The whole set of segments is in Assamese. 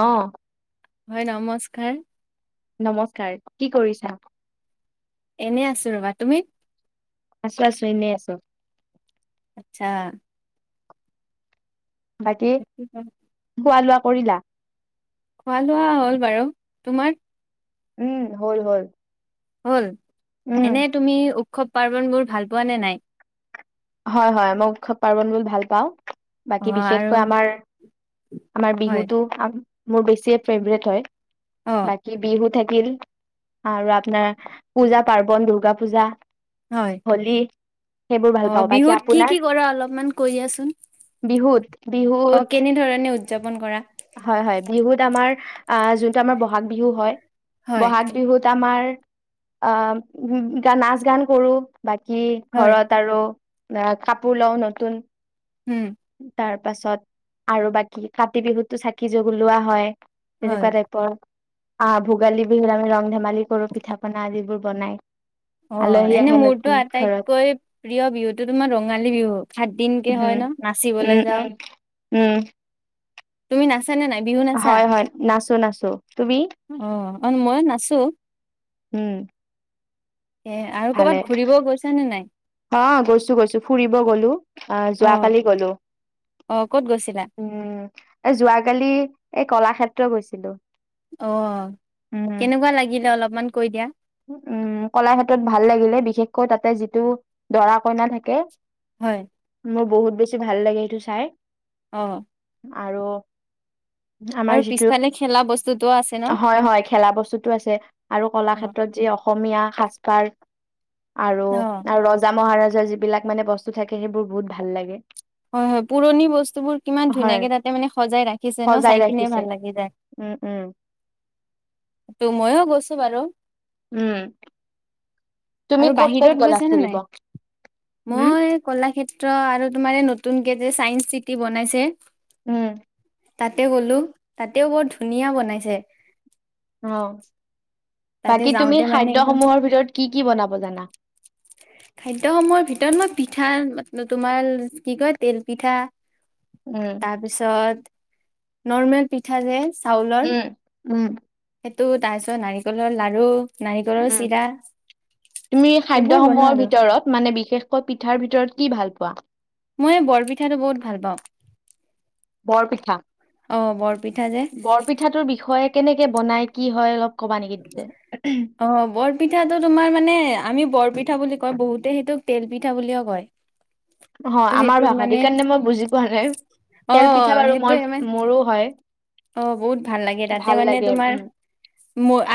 অ হয় নমস্কাৰ নমস্কাৰ, কি কৰিছা? এনে আছো ৰ'বা। তুমি? আছো আছো এনেই আছো। আচ্ছা। বাকী খোৱা লোৱা কৰিলা? খোৱা লোৱা হ'ল বাৰু। তোমাৰ? উম হল হল। হ'ল, উম এনে তুমি উৎসৱ, পাৰ্বণবোৰ ভাল পোৱানে নাই? হয়, হয়, মই উৎসৱ, পাৰ্বণবোৰ ভাল পাওঁ। অ বাকী আৰু বিশেষকৈ আমাৰ, আমাৰ হয় বিহুটো আম মোৰ বেছিয়ে ফেভৰেট হয়, অ বাকী বিহু থাক কিল, আৰু আপোনাৰ পূজা, পাৰ্বন, দুৰ্গা পূজা। হয় হলী সেইবোৰ ভাল- অ পাওঁ বাকী বিহুত কি আপোনাৰ কি কৰা অলপমান কৈ দিয়াচোন? বিহুত অ বিহুত, কেনেধৰণে উদযাপন কৰা হয় হয়। বিহুত আমাৰ আহ যোনটো আমাৰ বহাগ বিহু হয়, হয় বহাগ বিহুত আমাৰ অ নাচ গান কৰো বাকী হয় ঘৰত আৰু আহ কাপোৰ লওঁ নতুন উম তাৰ পাছত আৰু বাকী কাতি বিহুতটো চাকি জ্বলোৱা লোৱা হয়। হয় তেনেকুৱা টাইপৰ আহ ভোগালী বিহুত আমি ৰং ধেমালি কৰো পিঠা পনা আদিবোৰ বনাই। অ আলহী এনে আহে মোৰতো নতুন ঘৰত আটাইতকৈ প্ৰিয় বিহুতটো তোমাৰ ৰঙালী বিহু সাত দিনকে হয় উম ন নাচ উম উম উম তুমি নাচানে নাই বিহু নাচা হয় হয় নাচো নাচো তুমি অ? অ মইো নাছো। উম এ আৰু ভালে কৰ'ৰবাত ঘুৰিব গৈছ নে নাই? অ গৈছো গৈছো ফুৰিব গলো আহ অ যোৱাকালি গলো অ ক'ত গৈছিলা? উম এ যোৱাকালি এই কলাক্ষেত্ৰ গৈছিলো। অ উম কেনেকুৱা লাগিলে অলপমান কৈ দিয়া। উম কলাক্ষেত্ৰতত ভাল লাগিলে বিশেষকৈ তাতে যিটো দৰা কইনা থাকে। হয়। মোৰ বহুত বেছি ভাল লাগে সেইটো চাই। আহ আৰু আমাৰ আৰু যিটো পিছফালে খেলা বস্তু হয় হয় খেলা বস্তুতো আছে আৰু অ কলাক্ষেত্ৰত যি অসমীয়া সাজপাৰ আৰু অ ৰ মহাৰাজৰ যিবিলাক মানে বস্তু থাকে সেইবোৰ বহুত ভাল লাগে। হয় হয় পুৰণি বস্তুবোৰ কিমান হয় ধুনীয়াকে তাতে মানে সজাই ৰাখিছে ন সজাই চাই কিনে ৰাখিছে ভাল লাগি যায়। উম উম [unintelligible] তটো ময়ো গৈছো বাৰু উম তুমি আৰু ক'ত ক'ত বাহিৰত গ'লা গৈছেনে নাই ফুৰিব উম মই কলাক্ষেত্ৰ আৰু তোমাৰ নতুনকে যে চাইন্স চিটি বনাইছে উম তাতে গ'লো তাতেও বৰ ধুনীয়া বনাইছে অ তাতে বাকী তুমি যাওঁতে মানে একদম খাদ্যসমূহৰ ভিতৰত কি কি বনাব জানা খাদ্যয় সময়ৰ ভিতৰত মই পিঠ পিঠা ম তোমাৰ কি কয় তেল পিঠা উম তাৰপিছত নৰ্মেল পিঠা যে চাউলৰ উম উম সেইটো তাৰ পিছত নাৰিকলৰ লাৰু নাৰিকলৰ উম চিৰা তুমি খাদ্য সেইবোৰ বনাও সমূহৰ আৰু ভিতৰত মানে বিশেষকৈ পিঠাৰ ভিতৰত কি ভাল পোৱা মই বৰপিঠাটো বহুত ভাল পাওঁ বৰপিঠা অ বৰপিঠা যে বৰপিঠাটোৰ বিষয়ে কেনেকে বনাই কি হয় অলপ ক'বা নেকি তেন্তে? অ বৰপিঠাটো তোমাৰ মানে আমি বৰপিঠ পিঠা বুলি কয় বহুতে সেইটোক তেল পিঠা বুলিও কয় অ ত' আমাৰ সেইটোত ভাষাটো মানে কাৰণে মই বুজি পোৱা নাই অ তেল পিঠা বাৰু মোৰ সেইটোয়ে মানে মোৰো হয় অ বহুত ভাল লাগে তাতে ভাল মানে লাগে তোমাৰ উম।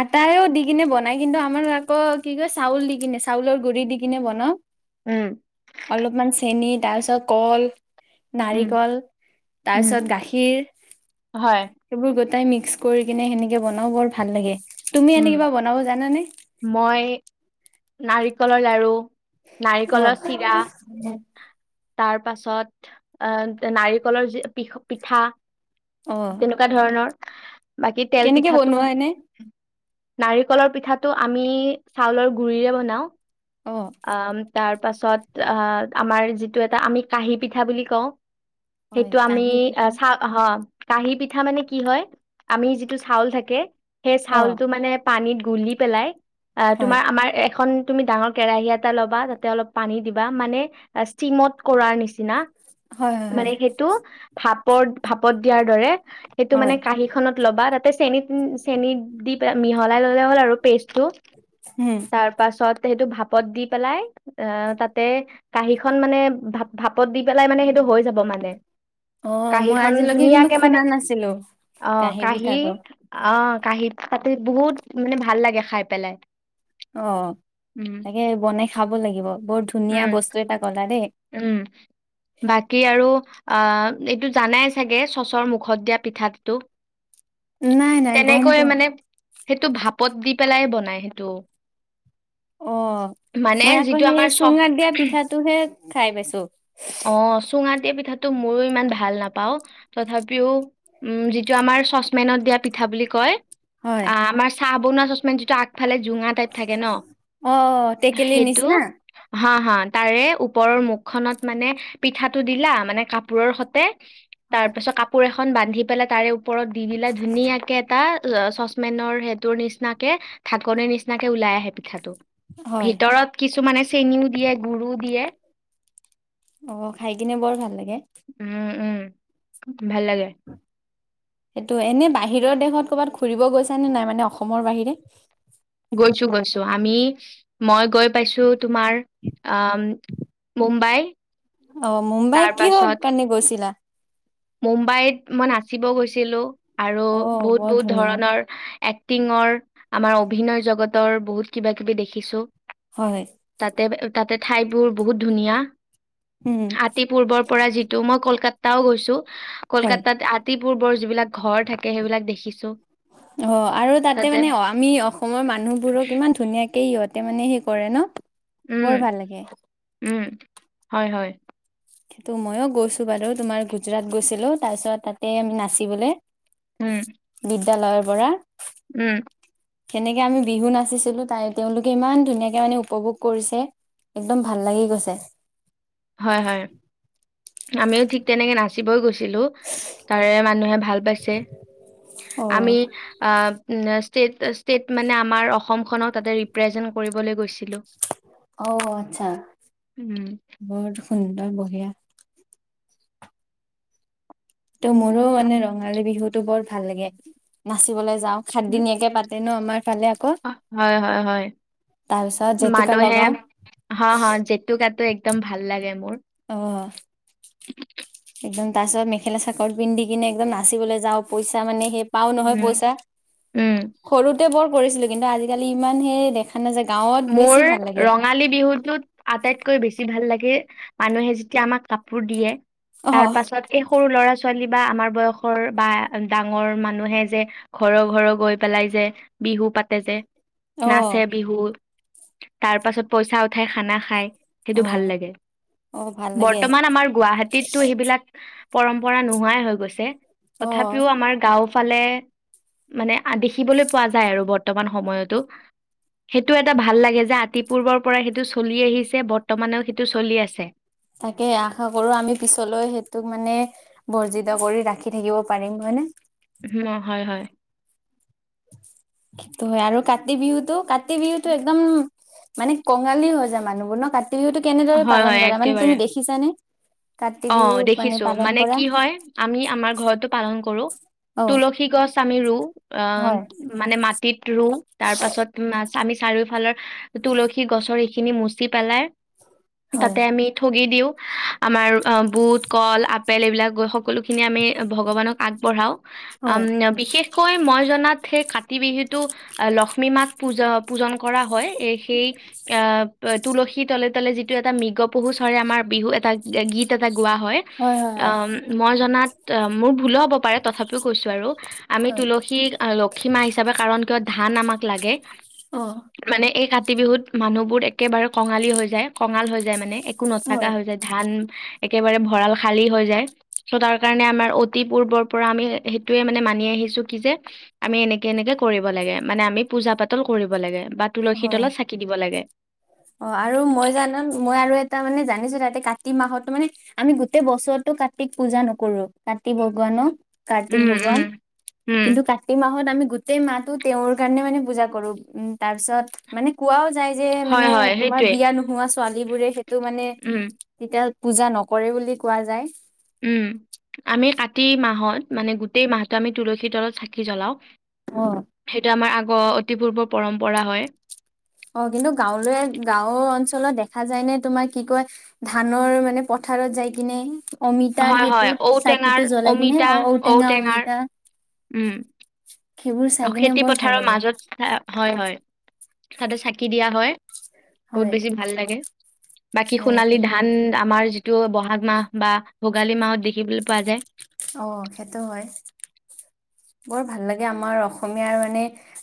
আটায়ও দি কিনে বনাই কিন্তু আমাৰ আকৌ কি কয় চাউল দি কিনে চাউলৰ গুৰি দি কিনে বনা উম অলপমান চেনি তাৰপিছত কল উম নাৰিকল উম তাৰপিছত গাখীৰ হয় সেইবোৰ গোটাই মিক্স কৰি কিনে সেনেকে বনাও বৰ ভাল লাগে তুমি উম এনে কিবা বনাব জানানে মই নাৰিকলৰ লাৰু অ'। নাৰিকলৰ চিৰা তাৰ পাছত আহ নাৰিকলৰ যি পি পিঠা অ', তেনেকুৱা ধৰণৰ বাকী তেল কেনেকে পিঠাটো বনোৱা এনে? নাৰিকলৰ পিঠাটো আমি চাউলৰ গুৰিৰে বনাওঁ অ', আম তাৰ পাছত আ আমাৰ যিটো এটা আমি কাঁহি পিঠা বুলি কওঁ হয় সেইটো আমি কাঁহী পিঠা চা অ' হ কাঁহীপিঠা মানে কি হয় আমি যিটো চাউল থাকে সেই অ', চাউলটো মানে পানীত গুলি পেলাই অ হয়, তোমাৰ আমাৰ এখন তুমি ডাঙৰ কেৰাহী এটা ল'বা তাতে অলপ পানী দিবা মানে ষ্টিমত কৰাৰ নিচিনা হয়, হয়, হয়, মানে সেইটো ভাপৰ ভাপত দিয়াৰ দৰে সেইটো মানে হয়, কাঁহী খনত ল'বা তাতে চেনি চেনি দি মিহলাই ললে হ'ল আৰু পেষ্ট টো উম, তাৰপাছত সেইটো ভাপত দি পেলাই অ তাতে কাঁহীখন মানে ভা ভাপত দি পেলাই মানে সেইটো হৈ যাব মানে অ', মই কাঁহীখন আজিলৈকে কিন্তু ধুনীয়াকে মানে শুনা নাছিলো আহ কাঁহী কাহী পিঠাটো অহ কাঁহীত পাতি বহুত মানে ভাল লাগে খাই পেলাই অ উম তাকে বনাই খাব লাগিব, বৰ ধুনীয়া উম বস্তু এটা কলা দেই। উম বাকী আৰু অ এইটো জানাই চাগে চচৰ মুখত দিয়া পিঠাটোটো নাই নাই, গম পোৱা? সেইটো ভাপত দি পেলাই বনাই সেইটো অ মানে মই আকৌ যিটো সেই আমাৰ চুঙাত দিয়া চ পিঠাটোহে খাই পাইছো অ চুঙা দিয়া পিঠাটো ময়ো ইমান ভাল নাপাওঁ তথাপিও যিটো আমৰ চ চপেনত দিয়া পিঠা বুলি কয় হয়, আ আমাৰ চাহ বনোৱা চচপেন যিটো আ গফালে জোঙা টাইপ থাকে ন অ', টেকেলিৰ সেইটো নিচিনা হা হা তাৰে ওপৰৰ মুখখনত মানে পিঠাটো দিলা মানে কাপোৰৰ সতে তাৰ হয়, পিছত কাপোৰ এখন বান্ধি পেলাই তাৰে ওপৰত দি দিলাই ধুনীয়াকে এটা চচমেনৰ সেইটোৰ নিচিনাকে ঢাকনিৰ নিচিনাকে ওলাই আহে পিঠাটো হয়। ভিতৰত কিছুমানে চেনীও দিয়ে, গুৰু দিয়ে অ খাই কিনে বৰ ভাল লাগে উম উম ভাল লাগে সেইটো এনে বাহিৰৰ দেশত কৰ'বাত ঘুৰিব গৈছা নে নাই মানে অসমৰ বাহিৰে? গৈছো গৈছো আমি মই গৈ পাইছো তোমাৰ আম মুম্বাই। অ', মুম্বাই তাৰ কিহৰ পাছত কাৰনে গৈছিলা? মুম্বাইত মই নাচিব গৈছিলোঁ, আৰু অ বহুত, বৰ বহুত ধুনীয়া ধৰণৰ এক এক্টিঙৰ আমাৰ অভিনয় জগতৰ বহুত কিবা কিবি দেখিছোঁ। হয় তাতে, তাতে, ঠাইবোৰ বহুত ধুনীয়া। উম আতি পূৰ্বৰ পৰা যিটো মই কলকাতাও গৈছোঁ, হয় কলকাতাত আতি পূৰ্বৰ যিবিলাক ঘৰ থাকে সেইবাক দেখিছো অ আৰু তাতে মানে আমি অসমৰ মানুহবোৰক ইমান ধুনীয়াকে ইহঁত তে মানে সেই কৰে ন উম বৰ ভাল লাগে। উম হয় হয় সেইটো মইও গৈছো বাৰু তোমাৰ গুজৰাট গৈছিলো তাপিছত তাতে আমি নাচিবলে উম বিদ্যালয়ৰ পৰা উম। কেনেকে আমি বিহু নাচিছিলোঁ, তাই-তেওঁলোকে ইমান ধুনীয়াকে মানে উপভোগ কৰিছে। একদম ভাল লাগি গৈছে। হয়, হয়, আমিও ঠিক তেনেকে নাচিবই গৈছ ছিলো, তাৰে মানুহে ভাল পাইছে, অ আমি আ উম, ষ্টেট, ষ্টেট, মানে আমাৰ অসমখনক তাতে ৰিপ্ৰেজেন্ট কৰিবলৈ গৈছ অ', আচ্ছা, উম বৰ সুন্দৰ বঢ়িয়া। ত' মোৰো মানে ৰঙালী বিহুটো বৰ ভাল লাগে, নাচিবলৈ যাওঁ, সাতদিনীয়াকে পাতে। ন' আমাৰ ফালে আকৌ হয়, হয়, হয়। তাৰপিছত জেতুকা মানুহে লগাও। হ হ জেতুকাটো একদম ভাল লাগে মোৰ। অহ একদম তাৰ পিছত মেখেলা চাকৰ পিন্ধি কিনে একদম নাচিবলৈ যাওঁ পইচা মানে সেই পাও নহয় উম পইচা উম সৰুতে বৰ কৰিছিলো কিন্তু আজিকালি ইমান সেই দেখ মোৰ ৰঙালী বিহুটোত আটাইতকৈ বেছি ভাল লাগে। মানুহে যেতিয়া আমাক কাপোৰ দিয়ে অ তাৰ পাছত এই সৰু ল'ৰা ছ ছোৱালী বা আমাৰ বয়সৰ বা ডাঙৰ মানুহে যে ঘৰ ঘৰ গৈ পেলাই যে বিহু পাতে যে অ নাচে বিহু তাৰ পাছত পইচা উঠাই খানা খাই। সেইটো অ ভাল লাগে, অ ভাল লাগে বৰ্তমান আমাৰ গুৱাহাটীতো সেইবিলাক পৰম্পৰা নোহোৱাই হৈ গৈছে অ তথাপিও আমাৰ গাও ফালে মানে দেখিবলৈ পোৱা যায় আৰু বৰ্তমান সময়তো, সেইটো টা ভাল লাগে যে আতি পূৰ্বৰ পৰা সেইটো চলি আহিছে বৰ্তমানেও সেইটো চলি আছে। তাকে আশা কৰো আমি পিছলৈ সেইটোক মানে বৰ্জিত কৰি ৰাখি থাকিব পাৰিম হয় নে? অ হয় হয়। সেটো হয় আৰু কাতি বিহুতটো কাতি বিহুতটো একদম মানে কঙালী হৈ যায় মানুহবোৰ ন কাতি বিহুতটো কেনেদৰে হয় পালন হয় কৰা মানে তুমি একেবাৰে দেখিছানে? কাতি অ বিহু দেখিছো পালন মানে কৰা কি হয় আমি আমাৰ ঘৰতো পালন কৰো। অ তুলসী গছ আমি ৰু অ হয় মানে মাটিত ৰু তাৰ পাছত আমি চাৰিওফালৰ তুলসী গছৰ এইখিনি মচি পেলাই হয় তাতে আমি ঠগি দিওঁ আমাৰ বুট কল আপেল এইবিলাক গৈ সকলোখিনি আমি ভগৱানক আগবঢ়াওঁ। আম হয় বিশেষকৈ মই জনাত সেই কা কাতি বিহুটো লক্ষ্মী মাক পূজা পূজন কৰা হয়। এ সেই আহ তুলসীৰ তলে তলে যিটো এটা মৃগ পহু চৰে আমাৰ বিহু এটা, গীত এটা, লোৱা হয়। হয় আ হয় মই জনাত মোৰ ভূল ও হ'ব পাৰে তথাপিও কৈছোঁ আৰু হয় তুলসী লক্ষী মা হিচাপে কাৰণ কিয় ধান আমাক লাগে অ মানে এই ক কাতি বিহুত মানুহবোৰ একেবাৰে কঙালী হৈ যায় কঙাল হৈ যায় মানে একো নথকা হয় হৈ যায় ধান একেবাৰে ভঁৰাল খালী হৈ যায় চ' তাৰ কাৰণে আমাৰ অতি পূৰ্বৰ পৰা আমি সেইটোয়ে মানে মানি আহি আহিছো কি যে আমি এনেকে এনেকে কৰিব লাগে মানে আমি পুজা পাতল কৰিব লাগে বা তুলসীৰ হয় তলত চাকি দিব লাগে অ আৰু মই জানো মই আৰু এটা মানে জানিছো তাতে কাট কাতি মাহতো মানে আমি গোটেই বছৰতো কাতিক পূজা নকৰো কাতি ভগৱানক কাৰ্তিক উম ভগৱান উম উম কিন্তু কাতি মাহত আমি গোটেই মাহটো তেওঁৰ কাৰণে মানে পূজা কৰো। উম তাৰ পিছত মানে কোৱাও যায় যে হয় মানে হয় তোমাৰ সেইটোৱে বিয়া নোহোৱা ছোৱালী বোৰে সেইটো মানে উম কেতিয়াও পূজা নকৰে বুলি কোৱা যায়। উম আমি কাতি মাহত মানে গোটেই মাহটো আমি তুলসীৰ তলত চাকি জ্বলাও। অ সেইটো আমাৰ আগ অতি পূৰ্বৰ পৰম্পৰা হয়। অঁ কিন্তু গাঁৱলৈ গাঁওৰ অঞ্চলত দেখা যায় নে তোমাৰ কি কয় ধানৰ মানে প পথাৰত যাই কিনে অমিতাৰ হয় হয় সেইটোত ঔটেঙাৰ চাকিটো জ্বলাই কিনে অমিতা অ ঔটেঙা ঔটেঙাৰ অমিতা সেইবোৰ চাই উম কিনে খেতি বৰ ভাল পথাৰৰ লাগে মাজত হয় হয় পথাতো চাকি দিয়া হয় বহুত হয় বেছি ভাল লাগে বাকী অ সোণালী সেই- ধান আমাৰ যিটো বহাগ মাহ বা ভোগালী মাহত দেখিবলে পোৱা যায় অ সেইটো হয় বৰ ভাল লাগে আমাৰ অসমীয়াৰ মানে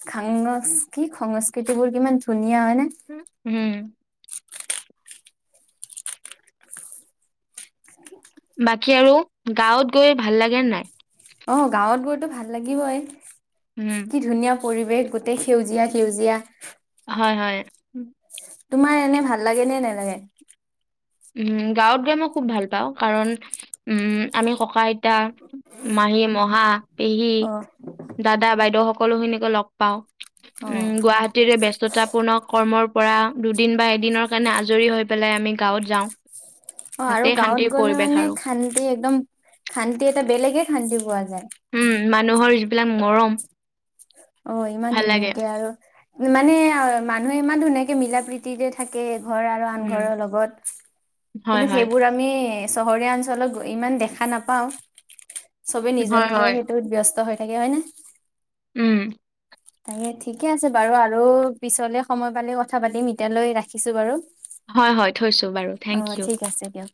সাংস কি সংস্কৃতি বোৰ কিমান ধুনীয়া হয়নে উম হোম [unintelligible] বাকী আৰু গাঁৱত গৈ ভাল লাগে নে নাই অ গাঁৱত গৈতো ভাল লাগিবই উম কি ধুনীয়া পৰিৱেশ গোটেই সেউজীয়া সেউজীয়া হয় হয় তোমাৰ এনে ভাল লাগে নে নেলাগে উম গাঁৱত গৈ মই খুব ভাল পাওঁ কাৰণ উম আমি ককা আইতা মা মাহী মহা, পেহী অ' দাদা বাইদেউ সকলো খিনিকে লগ পাওঁ অ' উম গুৱাহাটীৰে ব্যস্ততা পুনৰ কৰ্মৰ পৰা দুদিন বা এদিনৰ কাৰণে আজৰি হৈ পেলাই আমি গাঁৱত যাওঁ অ আৰু তাতেই গাঁৱত শান্তিৰ গ'লে পৰিৱেশ মানে আৰু শান্তি একদম শান্তি এটা বেলেগে শান্তি পোৱা যায় উম মানুহৰ যিবিলাক মৰম অ ইমান ভাল লাগে ধুনীয়াকে আৰু মানে মানুহে ইমান ধুনীয়াকে মিলা প্ৰীতিকে থাকে। ঘৰ আৰু আন উম, ঘৰৰ লগত হয় কিন্তু হয় সেইবোৰ আমি চহৰীয়া অঞ্চলত ইমান দেখা নাপাও চবে নিজৰ হয় নিজৰ হয় সেইটোত ব্যস্ত হৈ থাকে হয় নে? উম তাকে ঠিকে আছে বাৰু আৰু পিছলে সময় পালে কথা পাতিম এতিয়ালৈ ৰাখিছো বাৰু। হয় হয় থৈছো বাৰু অ থেংক ইউ। ঠিক আছে দিয়ক।